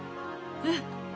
うん。